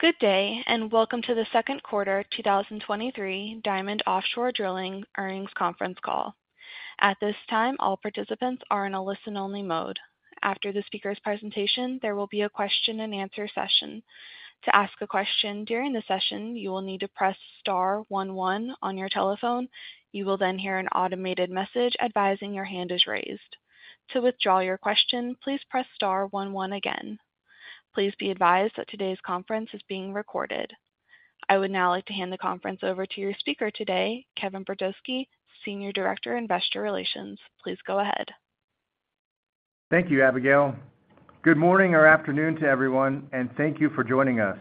Good day, and welcome to the second quarter 2023 Diamond Offshore Drilling earnings conference call. At this time, all participants are in a listen-only mode. After the speaker's presentation, there will be a question-and-answer session. To ask a question during the session, you will need to press star one one on your telephone. You will then hear an automated message advising your hand is raised. To withdraw your question, please press star one one again. Please be advised that today's conference is being recorded. I would now like to hand the conference over to your speaker today, Kevin Bordosky, Senior Director, Investor Relations. Please go ahead. Thank you, Abigail. Good morning or afternoon to everyone, and thank you for joining us.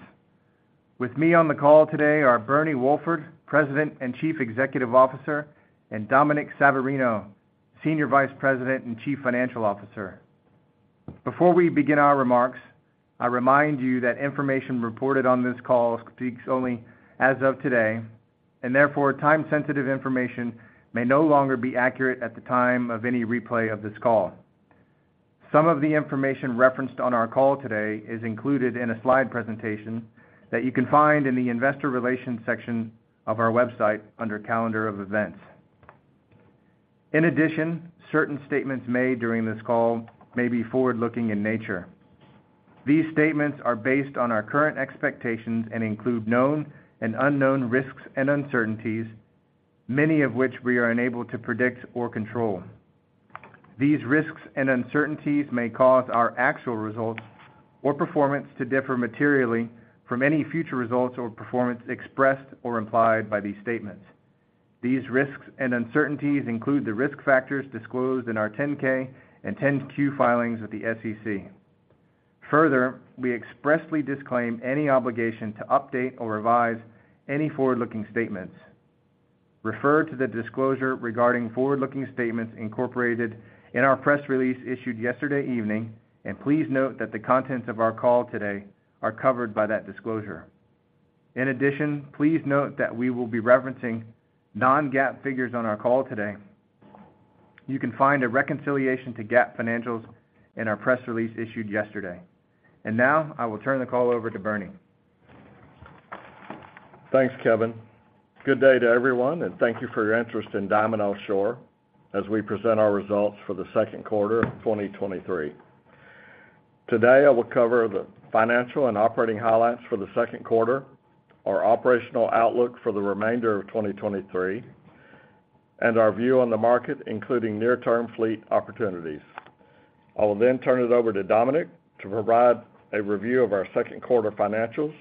With me on the call today are Bernie Wolford, President and Chief Executive Officer, and Dominic Savarino, Senior Vice President and Chief Financial Officer. Before we begin our remarks, I remind you that information reported on this call speaks only as of today, and therefore, time-sensitive information may no longer be accurate at the time of any replay of this call. Some of the information referenced on our call today is included in a slide presentation that you can find in the Investor Relations section of our website under Calendar of Events. In addition, certain statements made during this call may be forward-looking in nature. These statements are based on our current expectations and include known and unknown risks and uncertainties, many of which we are unable to predict or control. These risks and uncertainties may cause our actual results or performance to differ materially from any future results or performance expressed or implied by these statements. These risks and uncertainties include the risk factors disclosed in our 10-K and 10-Q filings with the SEC. We expressly disclaim any obligation to update or revise any forward-looking statements. Refer to the disclosure regarding forward-looking statements incorporated in our press release issued yesterday evening, and please note that the contents of our call today are covered by that disclosure. In addition, please note that we will be referencing non-GAAP figures on our call today. You can find a reconciliation to GAAP financials in our press release issued yesterday. Now, I will turn the call over to Bernie. Thanks, Kevin. Good day to everyone, and thank you for your interest in Diamond Offshore as we present our results for the second quarter of 2023. Today, I will cover the financial and operating highlights for the second quarter, our operational outlook for the remainder of 2023, and our view on the market, including near-term fleet opportunities. I will then turn it over to Dominic to provide a review of our second quarter financials,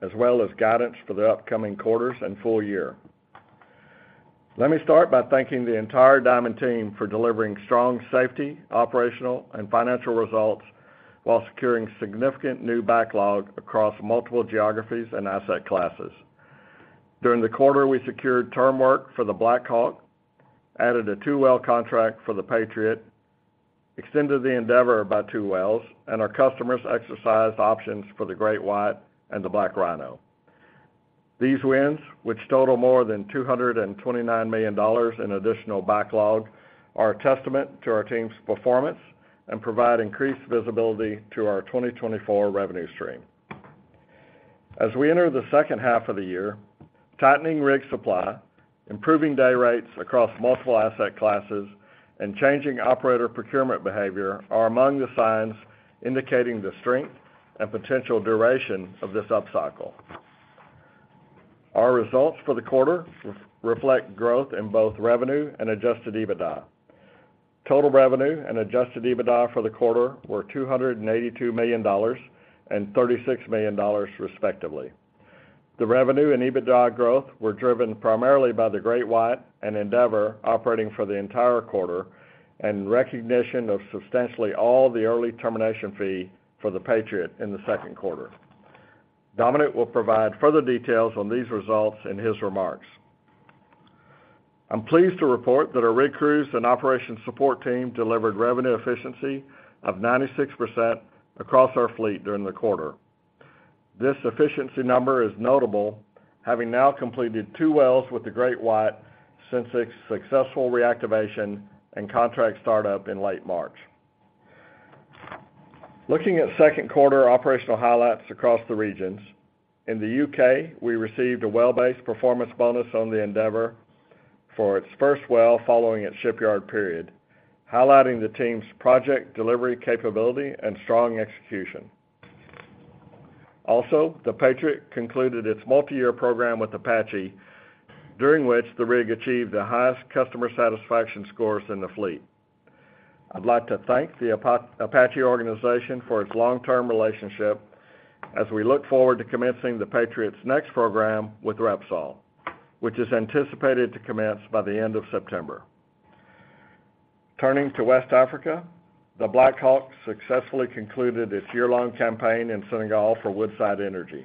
as well as guidance for the upcoming quarters and full year. Let me start by thanking the entire Diamond team for delivering strong safety, operational, and financial results while securing significant new backlog across multiple geographies and asset classes. During the quarter, we secured term work for the BlackHawk, added a 2-well contract for the Patriot, extended the Endeavor by two wells, and our customers exercised options for the GreatWhite and the BlackRhino. These wins, which total more than $229 million in additional backlog, are a testament to our team's performance and provide increased visibility to our 2024 revenue stream. As we enter the second half of the year, tightening rig supply, improving day rates across multiple asset classes, and changing operator procurement behavior are among the signs indicating the strength and potential duration of this upcycle. Our results for the quarter reflect growth in both revenue and adjusted EBITDA. Total revenue and adjusted EBITDA for the quarter were $282 million and $36 million, respectively. The revenue and EBITDA growth were driven primarily by the GreatWhite and Endeavor operating for the entire quarter, and recognition of substantially all the early termination fee for the Patriot in the second quarter. Dominic will provide further details on these results in his remarks. I'm pleased to report that our rig crews and operations support team delivered revenue efficiency of 96% across our fleet during the quarter. This efficiency number is notable, having now completed two wells with the GreatWhite since its successful reactivation and contract startup in late March. Looking at second quarter operational highlights across the regions. In the UK, we received a well-based performance bonus on the Endeavor for its first well following its shipyard period, highlighting the team's project delivery capability and strong execution. The Patriot concluded its multiyear program with Apache, during which the rig achieved the highest customer satisfaction scores in the fleet. I'd like to thank the Apache organization for its long-term relationship as we look forward to commencing the Patriot's next program with Repsol, which is anticipated to commence by the end of September. Turning to West Africa, the BlackHawk successfully concluded its year-long campaign in Senegal for Woodside Energy.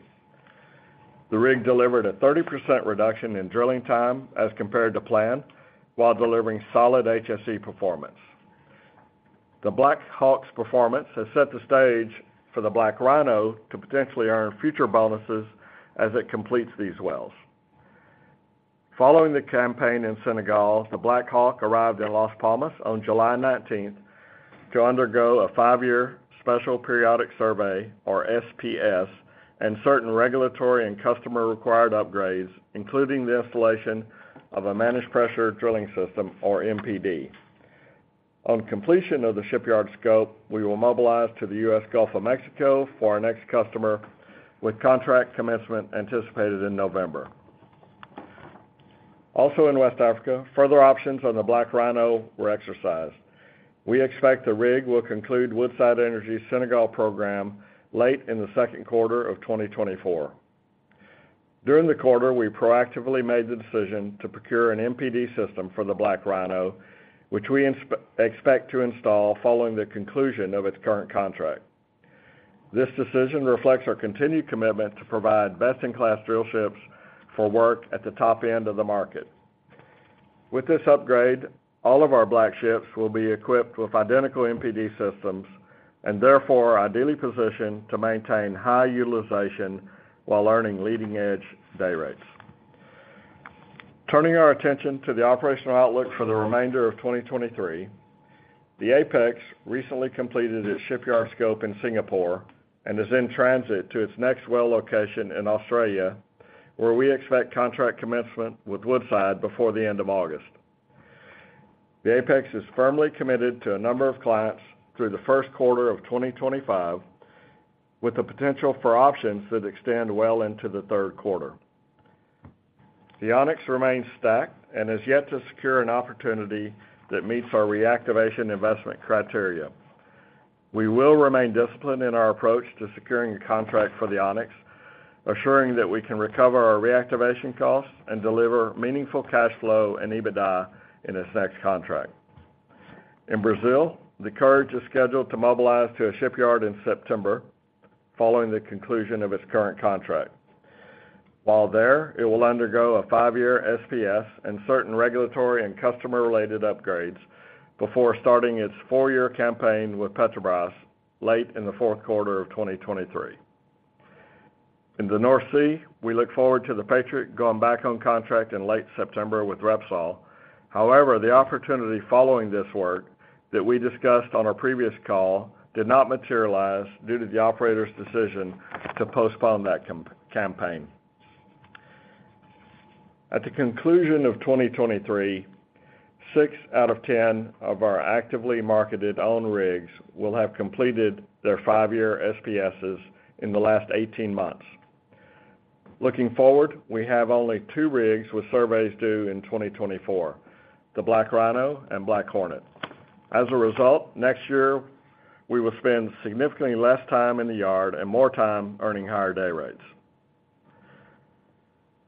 The rig delivered a 30% reduction in drilling time as compared to plan, while delivering solid HSE performance. The BlackHawk's performance has set the stage for the BlackRhino to potentially earn future bonuses as it completes these wells. Following the campaign in Senegal, the BlackHawk arrived in Las Palmas on July 19th to undergo a five-year Special Periodic Survey, or SPS, and certain regulatory and customer-required upgrades, including the installation of a managed pressure drilling system, or MPD. On completion of the shipyard scope, we will mobilize to the U.S. Gulf of Mexico for our next customer, with contract commencement anticipated in November. In West Africa, further options on the BlackRhino were exercised. We expect the rig will conclude Woodside Energy's Senegal program late in the second quarter of 2024. During the quarter, we proactively made the decision to procure an MPD system for the BlackRhino, which we expect to install following the conclusion of its current contract. This decision reflects our continued commitment to provide best-in-class drillships for work at the top end of the market. With this upgrade, all of our Black ships will be equipped with identical MPD systems, therefore, are ideally positioned to maintain high utilization while earning leading-edge day rates. Turning our attention to the operational outlook for the remainder of 2023, the Apex recently completed its shipyard scope in Singapore and is in transit to its next well location in Australia, where we expect contract commencement with Woodside before the end of August. The Apex is firmly committed to a number of clients through the first quarter of 2025, with the potential for options that extend well into the third quarter. The Onyx remains stacked and is yet to secure an opportunity that meets our reactivation investment criteria. We will remain disciplined in our approach to securing a contract for the Onyx, assuring that we can recover our reactivation costs and deliver meaningful cash flow and EBITDA in its next contract. In Brazil, the Courage is scheduled to mobilize to a shipyard in September, following the conclusion of its current contract. While there, it will undergo a five-year SPS and certain regulatory and customer-related upgrades before starting its four-year campaign with Petrobras late in the fourth quarter of 2023. In the North Sea, we look forward to the Patriot going back on contract in late September with Repsol. The opportunity following this work that we discussed on our previous call did not materialize due to the operator's decision to postpone that campaign. At the conclusion of 2023, six out of 10 of our actively marketed own rigs will have completed their 5-year SPSs in the last 18 months. Looking forward, we have only 2 rigs with surveys due in 2024, the BlackRhino and BlackHornet. As a result, next year, we will spend significantly less time in the yard and more time earning higher day rates.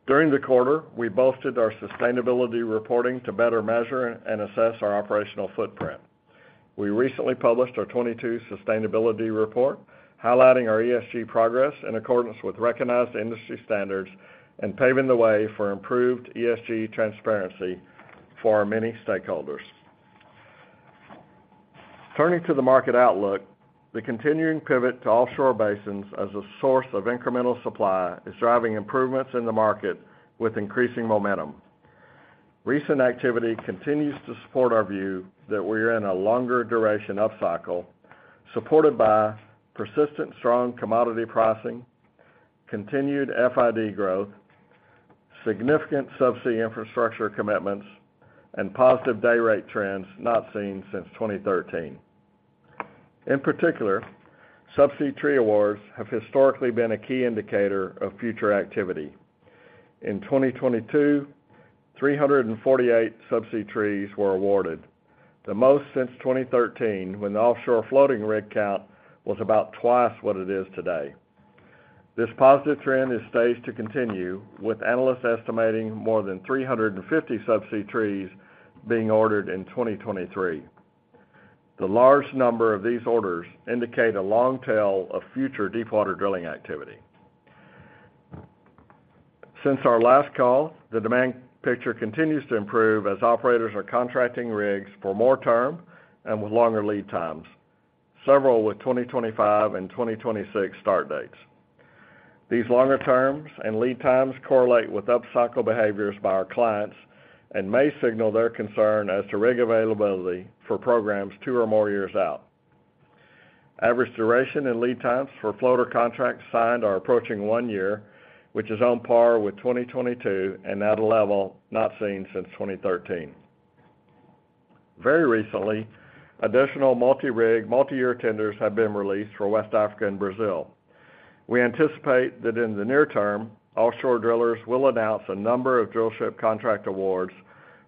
During the quarter, we bolstered our sustainability reporting to better measure and assess our operational footprint. We recently published our 2022 sustainability report, highlighting our ESG progress in accordance with recognized industry standards and paving the way for improved ESG transparency for our many stakeholders. Turning to the market outlook, the continuing pivot to offshore basins as a source of incremental supply is driving improvements in the market with increasing momentum. Recent activity continues to support our view that we are in a longer duration upcycle, supported by persistent strong commodity pricing, continued FID growth, significant subsea infrastructure commitments, and positive day rate trends not seen since 2013. In particular, subsea tree awards have historically been a key indicator of future activity. In 2022, 348 subsea trees were awarded, the most since 2013, when the offshore floating rig count was about twice what it is today. This positive trend is staged to continue, with analysts estimating more than 350 subsea trees being ordered in 2023. The large number of these orders indicate a long tail of future deepwater drilling activity. Since our last call, the demand picture continues to improve as operators are contracting rigs for more term and with longer lead times, several with 2025 and 2026 start dates. These longer terms and lead times correlate with upcycle behaviors by our clients and may signal their concern as to rig availability for programs two or more years out. Average duration and lead times for floater contracts signed are approaching one year, which is on par with 2022 and at a level not seen since 2013. Very recently, additional multi-rig, multi-year tenders have been released for West Africa and Brazil. We anticipate that in the near term, offshore drillers will announce a number of drillship contract awards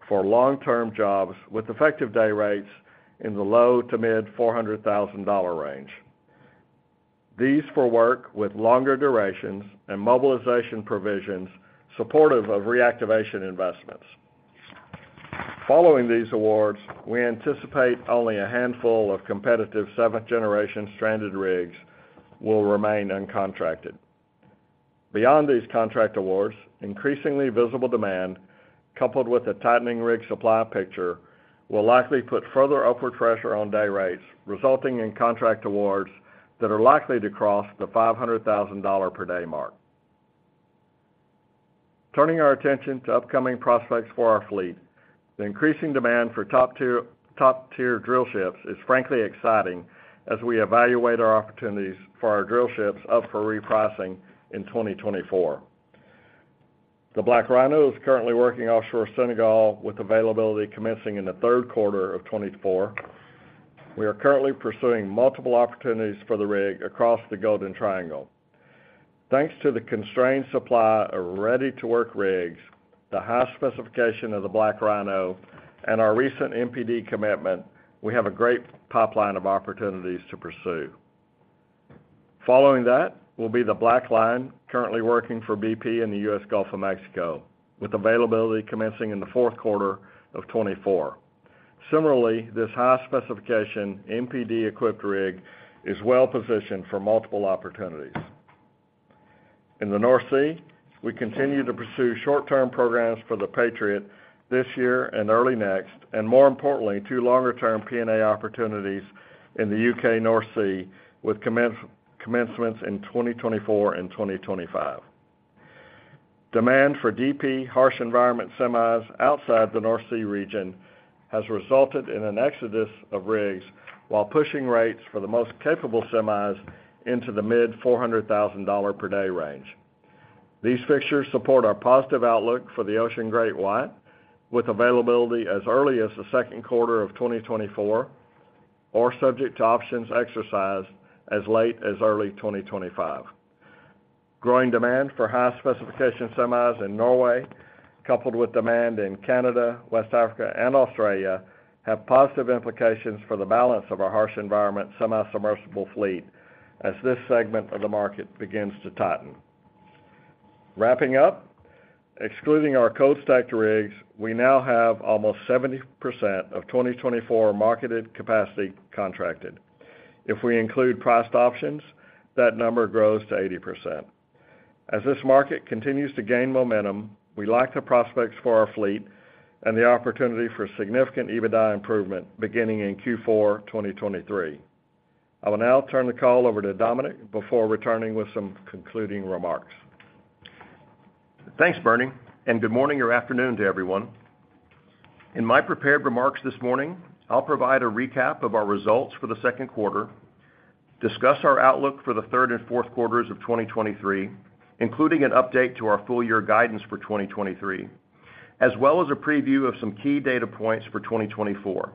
for long-term jobs with effective day rates in the low to mid-$400,000 range. These for work with longer durations and mobilization provisions supportive of reactivation investments. Following these awards, we anticipate only a handful of competitive seventh-generation stranded rigs will remain uncontracted. Beyond these contract awards, increasingly visible demand, coupled with a tightening rig supply picture, will likely put further upward pressure on day rates, resulting in contract awards that are likely to cross the $500,000 per day mark. Turning our attention to upcoming prospects for our fleet, the increasing demand for top-tier drillships is frankly exciting as we evaluate our opportunities for our drillships up for repricing in 2024. The BlackRhino is currently working offshore Senegal, with availability commencing in the third quarter of 2024. We are currently pursuing multiple opportunities for the rig across the Golden Triangle. Thanks to the constrained supply of ready-to-work rigs, the high specification of the BlackRhino, and our recent MPD commitment, we have a great pipeline of opportunities to pursue. Following that will be the BlackLion, currently working for BP in the .U.S Gulf of Mexico, with availability commencing in the fourth quarter of 2024. Similarly, this high-specification MPD-equipped rig is well-positioned for multiple opportunities. In the North Sea, we continue to pursue short-term programs for the Patriot this year and early next, more importantly, two longer-term P&A opportunities in the U.K. North Sea, with commencements in 2024 and 2025. Demand for DP harsh environment semis outside the North Sea region has resulted in an exodus of rigs, while pushing rates for the most capable semis into the mid-$400,000 per day range. These fixtures support our positive outlook for the Ocean GreatWhite, with availability as early as the second quarter of 2024, or subject to options exercised as late as early 2025. Growing demand for high-specification semis in Norway, coupled with demand in Canada, West Africa, and Australia, have positive implications for the balance of our harsh environment semi-submersible fleet, as this segment of the market begins to tighten. Wrapping up, excluding our cold-stacked rigs, we now have almost 70% of 2024 marketed capacity contracted. If we include priced options, that number grows to 80%. As this market continues to gain momentum, we like the prospects for our fleet and the opportunity for significant EBITDA improvement beginning in Q4 2023. I will now turn the call over to Dominic before returning with some concluding remarks. Thanks, Bernie. Good morning or afternoon to everyone. In my prepared remarks this morning, I'll provide a recap of our results for the second quarter, discuss our outlook for the third and fourth quarters of 2023, including an update to our full year guidance for 2023, as well as a preview of some key data points for 2024.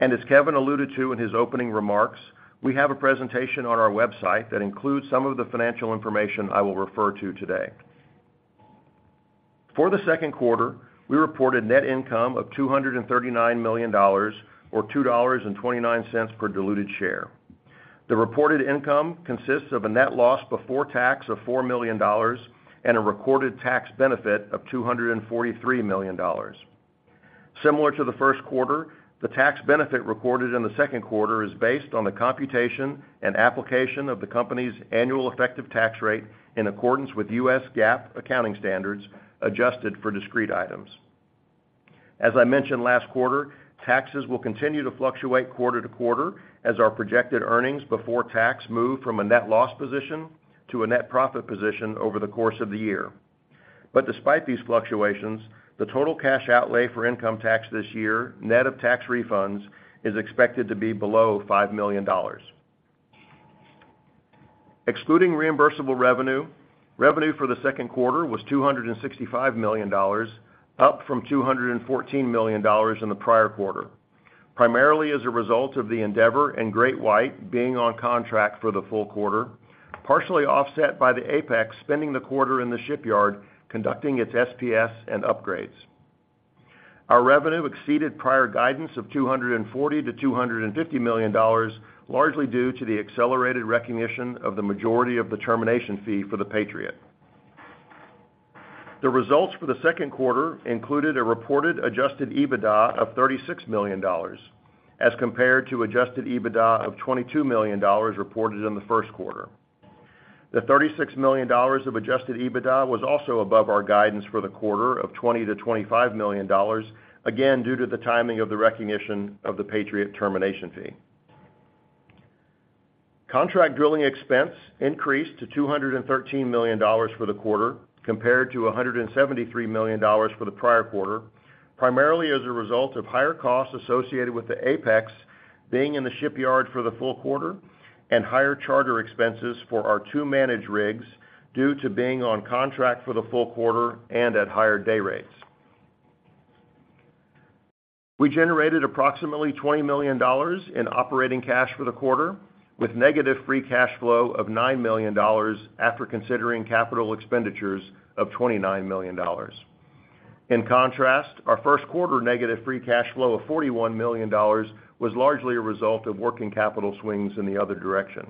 As Kevin alluded to in his opening remarks, we have a presentation on our website that includes some of the financial information I will refer to today. For the second quarter, we reported net income of $239 million or $2.29 per diluted share. The reported income consists of a net loss before tax of $4 million and a recorded tax benefit of $243 million. Similar to the first quarter, the tax benefit recorded in the second quarter is based on the computation and application of the company's annual effective tax rate in accordance with U.S GAAP accounting standards, adjusted for discrete items. As I mentioned last quarter, taxes will continue to fluctuate quarter to quarter as our projected earnings before tax move from a net loss position to a net profit position over the course of the year. Despite these fluctuations, the total cash outlay for income tax this year, net of tax refunds, is expected to be below $5 million. Excluding reimbursable revenue, revenue for the second quarter was $265 million, up from $214 million in the prior quarter, primarily as a result of the Endeavor and GreatWhite being on contract for the full quarter, partially offset by the Apex spending the quarter in the shipyard conducting its SPS and upgrades. Our revenue exceeded prior guidance of $240 million-$250 million, largely due to the accelerated recognition of the majority of the termination fee for the Patriot. The results for the second quarter included a reported adjusted EBITDA of $36 million, as compared to adjusted EBITDA of $22 million reported in the first quarter. The $36 million of adjusted EBITDA was also above our guidance for the quarter of $20 million-$25 million, again, due to the timing of the recognition of the Patriot termination fee. Contract drilling expense increased to $213 million for the quarter, compared to $173 million for the prior quarter, primarily as a result of higher costs associated with the Apex being in the shipyard for the full quarter and higher charter expenses for our two managed rigs due to being on contract for the full quarter and at higher day rates. We generated approximately $20 million in operating cash for the quarter, with negative free cash flow of $9 million after considering capital expenditures of $29 million. In contrast, our first quarter negative free cash flow of $41 million was largely a result of working capital swings in the other direction.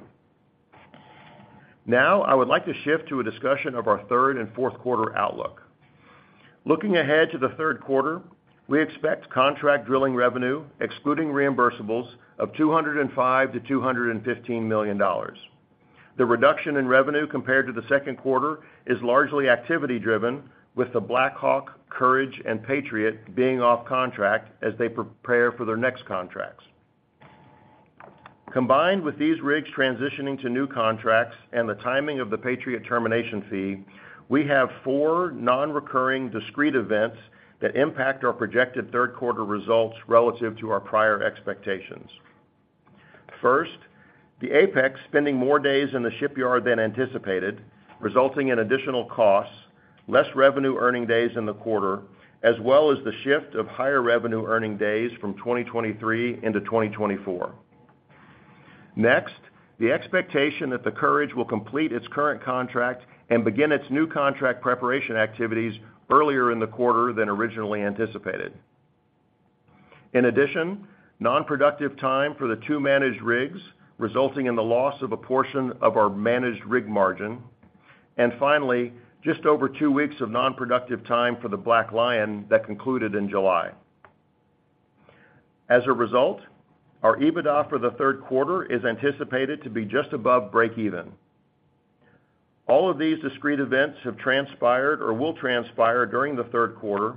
I would like to shift to a discussion of our third and fourth quarter outlook. Looking ahead to the third quarter, we expect contract drilling revenue, excluding reimbursables, of $205 million-$215 million. The reduction in revenue compared to the second quarter is largely activity-driven, with the BlackHawk, Courage, and Patriot being off contract as they prepare for their next contracts. Combined with these rigs transitioning to new contracts and the timing of the Patriot termination fee, we have four nonrecurring discrete events that impact our projected third quarter results relative to our prior expectations. First, the Apex spending more days in the shipyard than anticipated, resulting in additional costs, less revenue earning days in the quarter, as well as the shift of higher revenue earning days from 2023 into 2024. Next, the expectation that the Courage will complete its current contract and begin its new contract preparation activities earlier in the quarter than originally anticipated. In addition, nonproductive time for the 2 managed rigs, resulting in the loss of a portion of our managed rig margin. Finally, just over two weeks of nonproductive time for the BlackLion that concluded in July. As a result, our EBITDA for the 3rd quarter is anticipated to be just above breakeven. All of these discrete events have transpired or will transpire during the third quarter,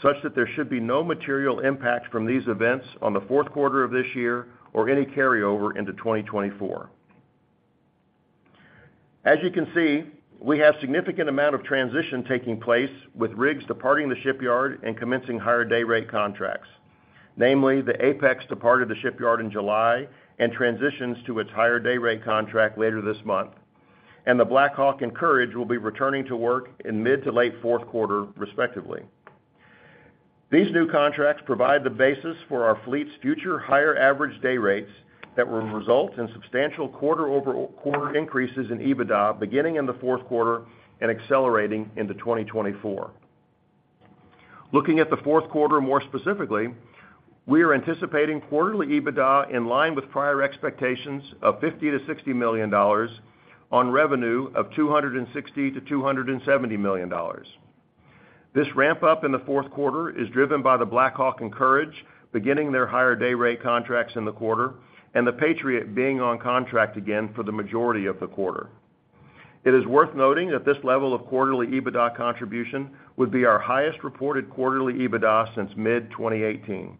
such that there should be no material impact from these events on the fourth quarter of this year or any carryover into 2024. As you can see, we have significant amount of transition taking place, with rigs departing the shipyard and commencing higher day rate contracts. Namely, the Apex departed the shipyard in July and transitions to its higher day rate contract later this month, and the BlackHawk and Courage will be returning to work in mid to late fourth quarter, respectively. These new contracts provide the basis for our fleet's future higher average day rates that will result in substantial quarter-over-quarter increases in EBITDA, beginning in the fourth quarter and accelerating into 2024. Looking at the fourth quarter more specifically, we are anticipating quarterly EBITDA in line with prior expectations of $50 million-$60 million on revenue of $260 million-$270 million. This ramp-up in the fourth quarter is driven by the BlackHawk and Courage, beginning their higher day rate contracts in the quarter, and the Patriot being on contract again for the majority of the quarter. It is worth noting that this level of quarterly EBITDA contribution would be our highest reported quarterly EBITDA since mid-2018.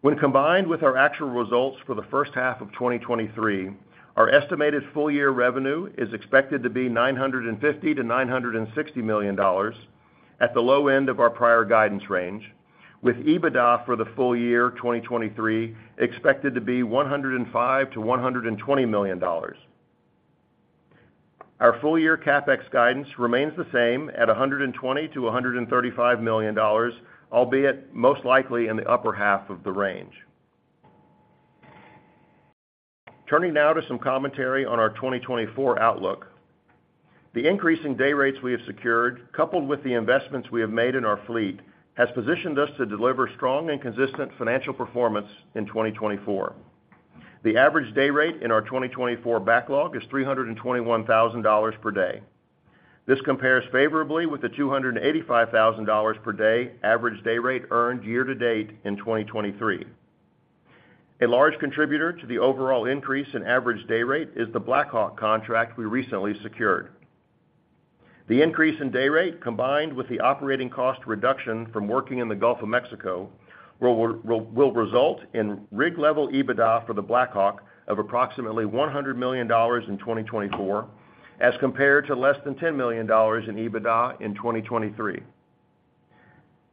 When combined with our actual results for the first half of 2023, our estimated full-year revenue is expected to be $950 million-$960 million, at the low end of our prior guidance range, with EBITDA for the full year 2023 expected to be $105 million-$120 million. Our full-year CapEx guidance remains the same at $120 million-$135 million, albeit most likely in the upper half of the range. Turning now to some commentary on our 2024 outlook. The increasing day rates we have secured, coupled with the investments we have made in our fleet, has positioned us to deliver strong and consistent financial performance in 2024. The average day rate in our 2024 backlog is $321,000 per day. This compares favorably with the $285,000 per day average day rate earned year-to-date in 2023. A large contributor to the overall increase in average day rate is the BlackHawk contract we recently secured. The increase in day rate, combined with the operating cost reduction from working in the Gulf of Mexico, will result in rig-level EBITDA for the BlackHawk of approximately $100 million in 2024, as compared to less than $10 million in EBITDA in 2023.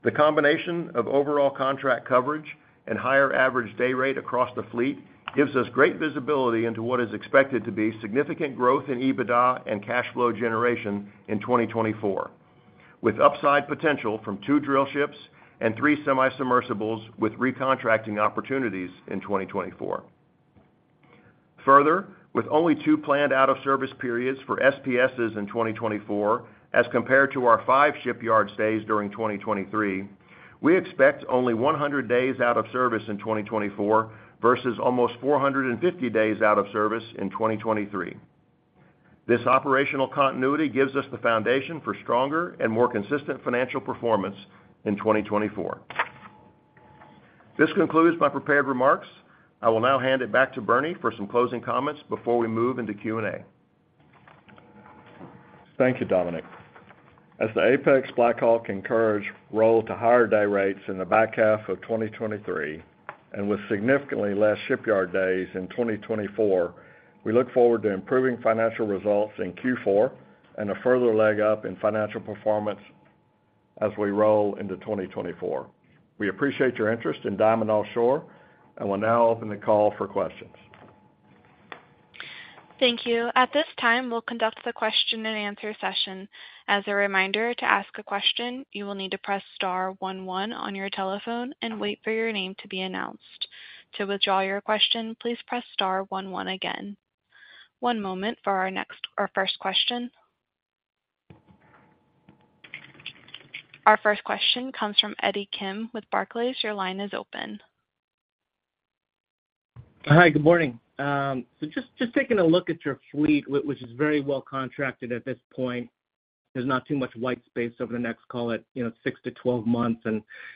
The combination of overall contract coverage and higher average day rate across the fleet gives us great visibility into what is expected to be significant growth in EBITDA and cash flow generation in 2024, with upside potential from two drillships and three semi-submersibles with recontracting opportunities in 2024. Further, with only two planned out-of-service periods for SPSs in 2024, as compared to our five shipyard stays during 2023, we expect only 100 days out of service in 2024 versus almost 450 days out of service in 2023. This operational continuity gives us the foundation for stronger and more consistent financial performance in 2024. This concludes my prepared remarks. I will now hand it back to Bernie for some closing comments before we move into Q&A. Thank you, Dominic. As the Apex, BlackHawk, and Courage roll to higher day rates in the back half of 2023, and with significantly less shipyard days in 2024, we look forward to improving financial results in Q4 and a further leg up in financial performance as we roll into 2024. We appreciate your interest in Diamond Offshore, we'll now open the call for questions. Thank you. At this time, we'll conduct the question-and-answer session. As a reminder, to ask a question, you will need to press star one one on your telephone and wait for your name to be announced. To withdraw your question, please press star one one again. One moment for our first question. Our first question comes from Eddie Kim with Barclays. Your line is open. Hi, good morning. Just, just taking a look at your fleet, which is very well contracted at this point, there's not too much white space over the next, call it, you know, six to 12 months.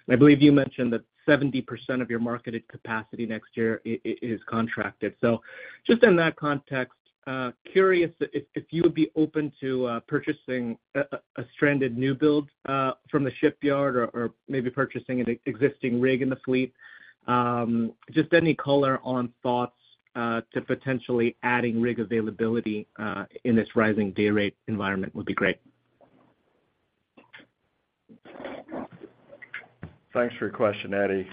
I believe you mentioned that 70% of your marketed capacity next year is contracted. Just in that context, curious if, if you would be open to purchasing a, a stranded new build from the shipyard or, or maybe purchasing an existing rig in the fleet? Just any color on thoughts to potentially adding rig availability in this rising dayrate environment would be great. Thanks for your question, Eddie.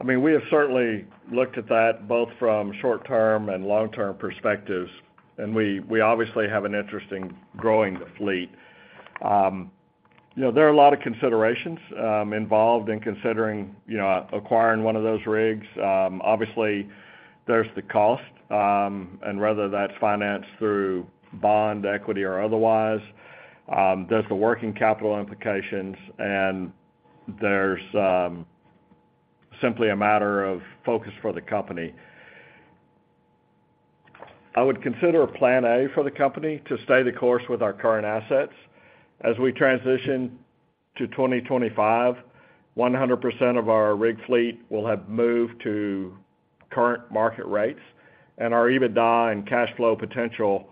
I mean, we have certainly looked at that both from short-term and long-term perspectives, and we, we obviously have an interest in growing the fleet. You know, there are a lot of considerations involved in considering, you know, acquiring one of those rigs. Obviously, there's the cost, and whether that's financed through bond, equity, or otherwise. There's the working capital implications, and there's simply a matter of focus for the company. I would consider a plan A for the company to stay the course with our current assets. As we transition to 2025, 100% of our rig fleet will have moved to current market rates, and our EBITDA and cash flow potential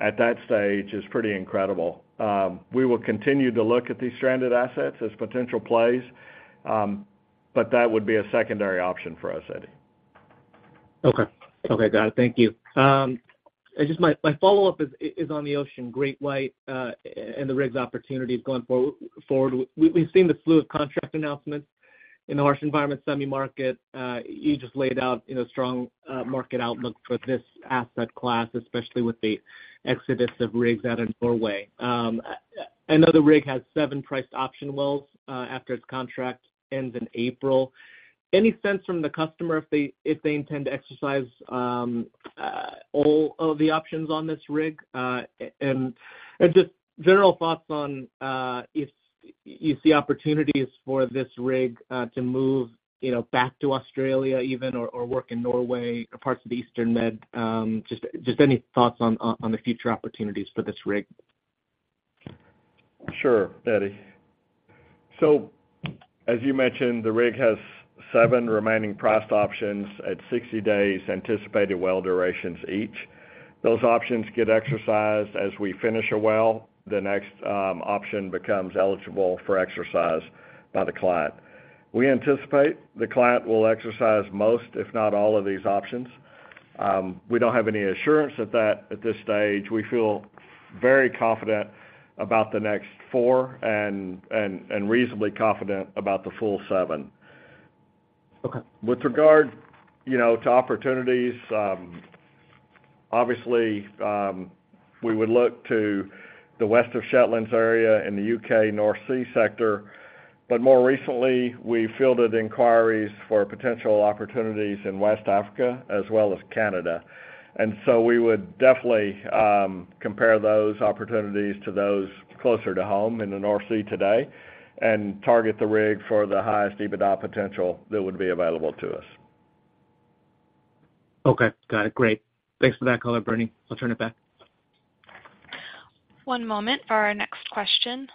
at that stage is pretty incredible. We will continue to look at these stranded assets as potential plays, but that would be a secondary option for us, Eddie. Okay. Okay, got it. Thank you. Just my, my follow-up is, is on the Ocean GreatWhite, and the rigs opportunities going forward. We, we've seen the slew of contract announcements in the harsh environment semi market. You just laid out, you know, strong market outlook for this asset class, especially with the exodus of rigs out in Norway. I know the rig has seven priced option wells after its contract ends in April. Any sense from the customer if they, if they intend to exercise all of the options on this rig? Just general thoughts on if you see opportunities for this rig to move, you know, back to Australia even, or, or work in Norway or parts of the Eastern Med. Just, just any thoughts on, on the future opportunities for this rig? Sure, Eddie. As you mentioned, the rig has seven remaining priced options at 60 days, anticipated well durations each. Those options get exercised as we finish a well, the next option becomes eligible for exercise by the client. We anticipate the client will exercise most, if not all, of these options. We don't have any assurance of that at this stage. We feel very confident about the next four and, and, and reasonably confident about the full seven. Okay. With regard, you know, to opportunities, obviously, we would look to the West of Shetlands area and the U.K. North Sea sector. More recently, we fielded inquiries for potential opportunities in West Africa as well as Canada. We would definitely compare those opportunities to those closer to home in the North Sea today and target the rig for the highest EBITDA potential that would be available to us. Okay. Got it. Great. Thanks for that color, Bernie. I'll turn it back. One moment for our next question.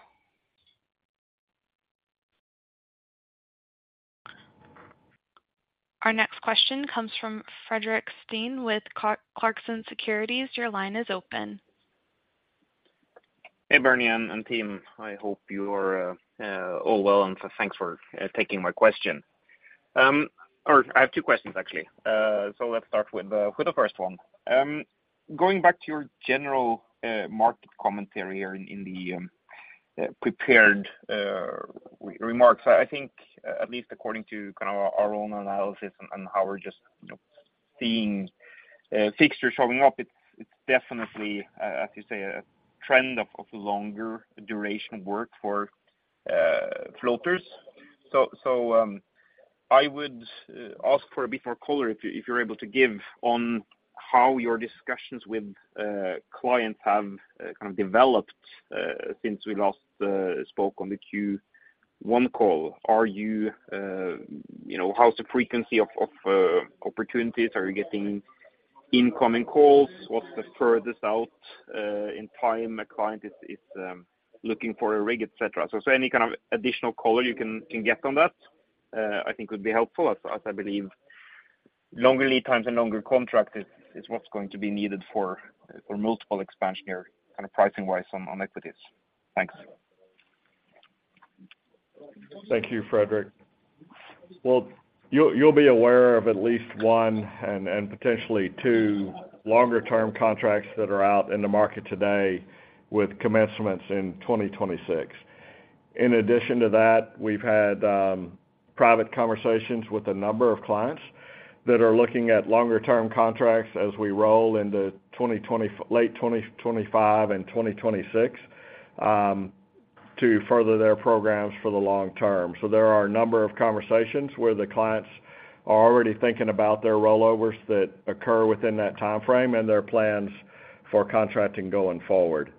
Our next question comes from Fredrik Stene with Clarksons Securities. Your line is open. Hey, Bernie and team. I hope you are all well, and thanks for taking my question. I have two questions, actually. Let's start with the first one. Going back to your general market commentary here in in the prepared remarks. I think, at least according to kind of our own analysis and, and how we're just, you know, seeing fixtures showing up, it's, it's definitely, as you say, a trend of longer duration work for floaters. I would ask for a bit more color if you, if you're able to give on how your discussions with clients have kind of developed since we last spoke on the Q1 call. Are you, you know, how's the frequency of opportunities? Are you getting incoming calls? What's the furthest out in time a client is, is looking for a rig, et cetera? Any kind of additional color you can, can get on that, I think would be helpful, as, as I believe longer lead times and longer contract is, is what's going to be needed for, for multiple expansion here, kind of pricing-wise on, on equities. Thanks. Thank you, Fredrik. Well, you'll, you'll be aware of at least one and potentially two longer-term contracts that are out in the market today with commencements in 2026. In addition to that, we've had private conversations with a number of clients that are looking at longer-term contracts as we roll into late 2025 and 2026 to further their programs for the long term. There are a number of conversations where the clients are already thinking about their rollovers that occur within that timeframe and their plans for contracting going forward.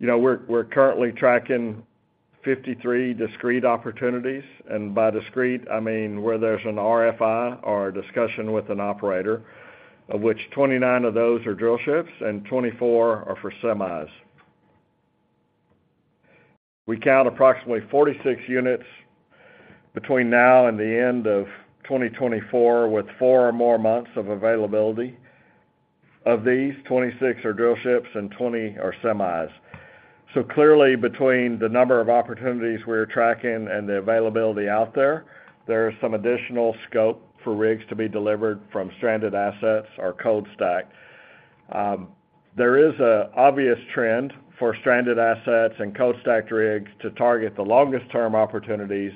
You know, we're, we're currently tracking 53 discrete opportunities, and by discrete, I mean, where there's an RFI or a discussion with an operator, of which 29 of those are drillships and 24 are for semis. We count approximately 46 units between now and the end of 2024, with four or more months of availability. Of these, 26 are drillships and 20 are semis. Clearly, between the number of opportunities we are tracking and the availability out there, there is some additional scope for rigs to be delivered from stranded assets or cold stacked. There is a obvious trend for stranded assets and cold stacked rigs to target the longest term opportunities,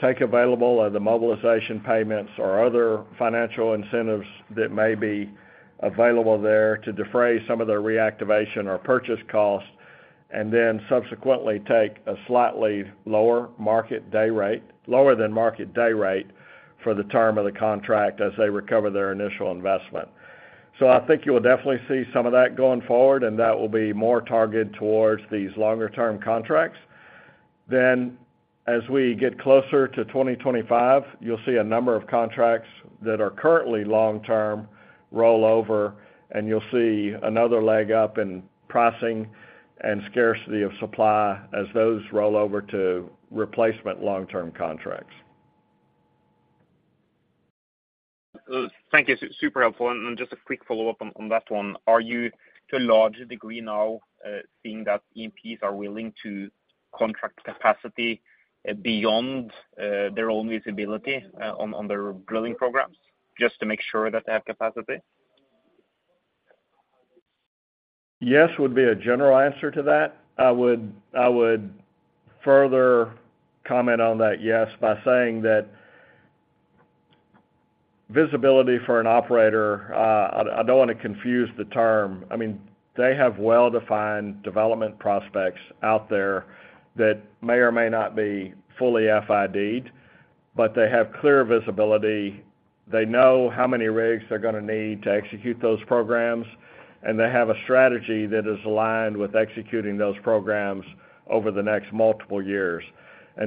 take available, either mobilization payments or other financial incentives that may be available there to defray some of their reactivation or purchase costs, and then subsequently take a slightly lower market day rate-- lower than market day rate for the term of the contract as they recover their initial investment. I think you will definitely see some of that going forward, and that will be more targeted towards these longer-term contracts. As we get closer to 2025, you'll see a number of contracts that are currently long term roll over, and you'll see another leg up in pricing and scarcity of supply as those roll over to replacement long-term contracts. Thank you. Super helpful. Then just a quick follow-up on, on that one. Are you, to a large degree now, seeing that E&Ps are willing to contract capacity, beyond their own visibility on their drilling programs, just to make sure that they have capacity? Yes, would be a general answer to that. I would further comment on that yes, by saying that visibility for an operator, I don't want to confuse the term. I mean, they have well-defined development prospects out there that may or may not be fully FID'd, but they have clear visibility. They know how many rigs they're gonna need to execute those programs, and they have a strategy that is aligned with executing those programs over the next multiple years.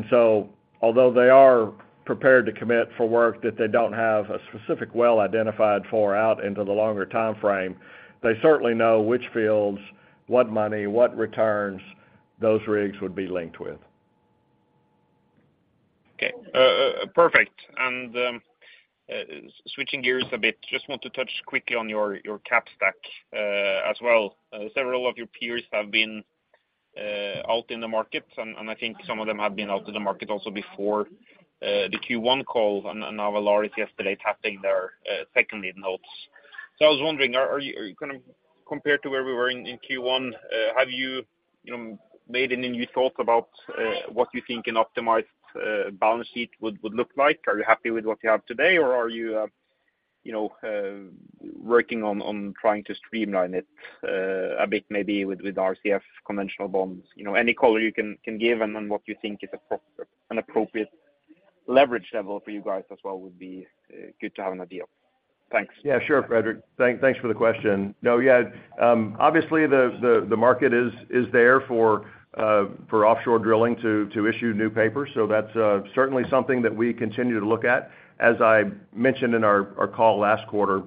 So although they are prepared to commit for work that they don't have a specific well identified for out into the longer time frame, they certainly know which fields, what money, what returns those rigs would be linked with. Okay. Perfect. Switching gears a bit, just want to touch quickly on your, your cap stack as well. Several of your peers have been out in the market, and, and I think some of them have been out in the market also before the Q1 call, and, and Valaris yesterday tapping their secondary notes. I was wondering, are you kind of compared to where we were in Q1, have you, you know, made any new thoughts about what you think an optimized balance sheet would look like? Are you happy with what you have today, or are you, you know, working on trying to streamline it a bit, maybe with RCF conventional bonds? You know, any color you can, can give in on what you think is an appropriate leverage level for you guys as well, would be good to have an idea. Thanks. Yeah, sure, Fredrik. Thanks for the question. Obviously, the market is there for offshore drilling to issue new paper, that's certainly something that we continue to look at. As I mentioned in our call last quarter,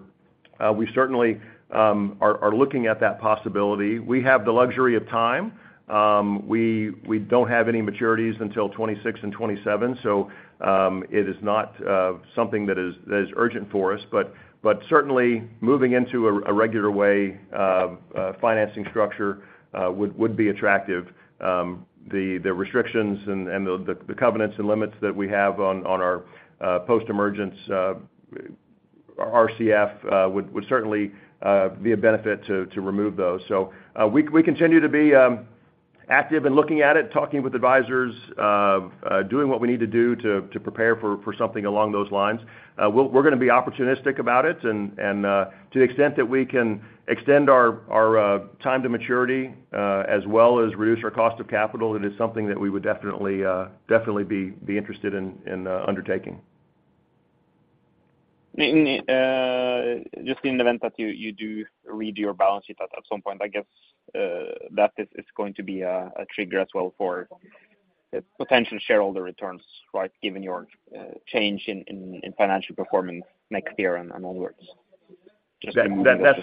we certainly are looking at that possibility. We have the luxury of time. We don't have any maturities until 2026 and 2027, it is not something that is that is urgent for us, but certainly moving into a regular way financing structure would be attractive. The restrictions and the covenants and limits that we have on our post-emergence RCF would certainly be a benefit to remove those. we, we continue to be active in looking at it, talking with advisors, doing what we need to do to, to prepare for, for something along those lines. We're gonna be opportunistic about it, and, and to the extent that we can extend our, our time to maturity, as well as reduce our cost of capital, it is something that we would definitely, definitely be, be interested in, in undertaking. In, in just in the event that you, you do redo your balance sheet at, at some point, I guess, that is, is going to be a, a trigger as well for potential shareholder returns, right? Given your change in, in, in financial performance next year and, and onwards. That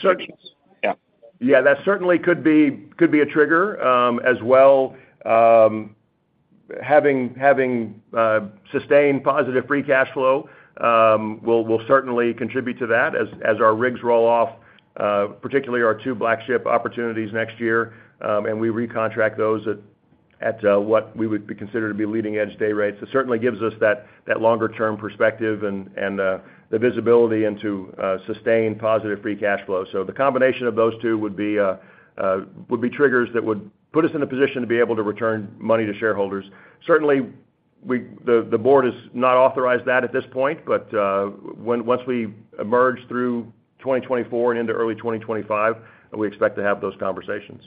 certainly. Yeah. Yeah, that certainly could be, could be a trigger. As well, having, having sustained positive free cash flow, will, will certainly contribute to that as, as our rigs roll off, particularly our two Black ship opportunities next year, and we recontract those at, at what we would consider to be leading-edge day rates. It certainly gives us that, that longer-term perspective and, and the visibility into sustained positive free cash flow. The combination of those two would be, would be triggers that would put us in a position to be able to return money to shareholders. Certainly, the, the board has not authorized that at this point, but once we emerge through 2024 and into early 2025, we expect to have those conversations.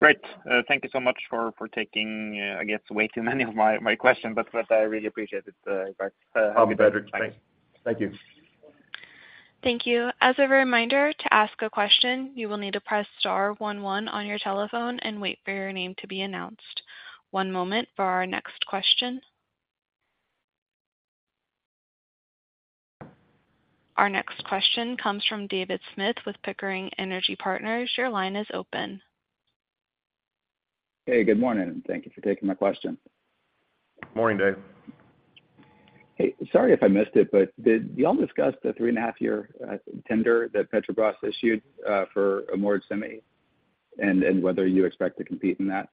Great. Thank you so much for, for taking, I guess, way too many of my, my questions, but, but I really appreciate it, Bernie. Okay, Fredrik. Thanks. Thank you. Thank you. As a reminder, to ask a question, you will need to press star one one on your telephone and wait for your name to be announced. One moment for our next question. Our next question comes from David Smith with Pickering Energy Partners. Your line is open. Hey, good morning, and thank you for taking my question. Morning, Dave. Hey, sorry if I missed it, but did y'all discuss the 3.5-year tender that Petrobras issued for a moored semi, and whether you expect to compete in that?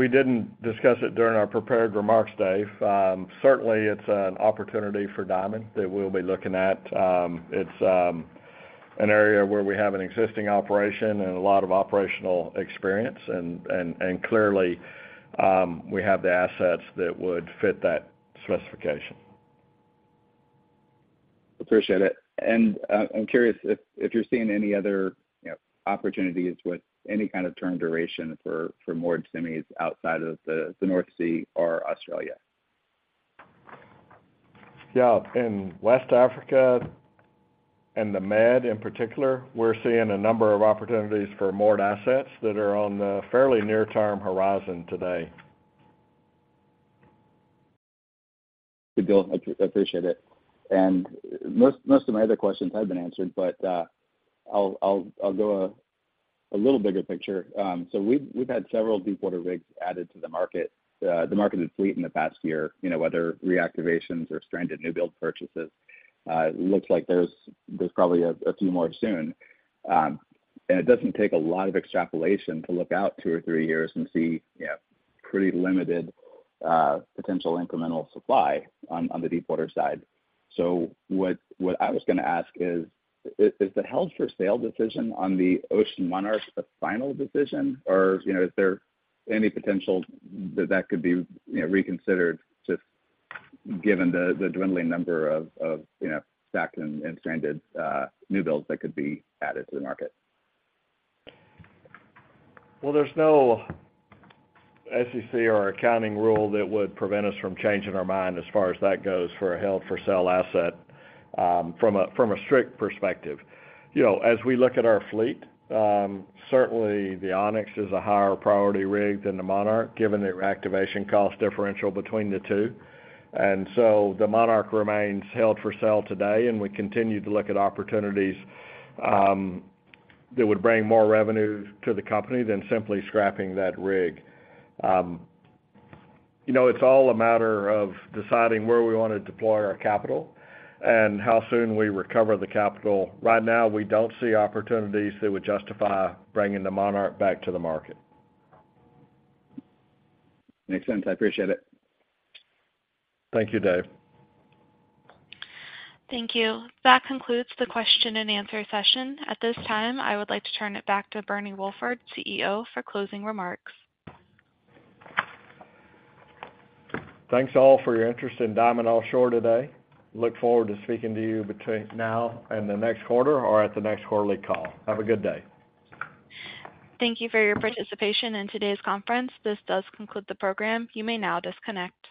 We didn't discuss it during our prepared remarks, Dave. Certainly, it's an opportunity for Diamond that we'll be looking at. It's, an area where we have an existing operation and a lot of operational experience, and, and, and clearly, we have the assets that would fit that specification. Appreciate it. I'm curious if, if you're seeing any other, you know, opportunities with any kind of term duration for, for moored semis outside of the, the North Sea or Australia? Yeah, in West Africa and the Med in particular, we're seeing a number of opportunities for moored assets that are on the fairly near-term horizon today. Good deal. I appreciate it. Most, most of my other questions have been answered, but I'll, I'll, I'll go a, a little bigger picture. We've, we've had several deepwater rigs added to the market, the marketed fleet in the past year, you know, whether reactivations or stranded new build purchases. It looks like there's, there's probably a, a few more soon. It doesn't take a lot of extrapolation to look out two or three years and see, you know, pretty limited potential incremental supply on, on the deepwater side. What, what I was gonna ask is, is the held for sale decision on the Ocean Monarch a final decision? you know, is there any potential that, that could be, you know, reconsidered, just given the, the dwindling number of, of, you know, stacked and, and stranded new builds that could be added to the market? Well, there's no SEC or accounting rule that would prevent us from changing our mind as far as that goes for a held for sale asset, from a, from a strict perspective. You know, as we look at our fleet, certainly the Onyx is a higher priority rig than the Monarch, given the reactivation cost differential between the two. So the Monarch remains held for sale today, and we continue to look at opportunities that would bring more revenue to the company than simply scrapping that rig. You know, it's all a matter of deciding where we want to deploy our capital and how soon we recover the capital. Right now, we don't see opportunities that would justify bringing the Monarch back to the market. Makes sense. I appreciate it. Thank you, Dave. Thank you. That concludes the question and answer session. At this time, I would like to turn it back to Bernie Wolford, CEO, for closing remarks. Thanks, all, for your interest in Diamond Offshore today. Look forward to speaking to you between now and the next quarter or at the next quarterly call. Have a good day. Thank you for your participation in today's conference. This does conclude the program. You may now disconnect.